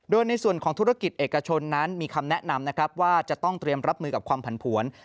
โดยในส่วนของธุรกิจเอกชนนั้นมีคำแนะนำนะครับว่าจะต้องเตรียมรับมือกับความผันผวน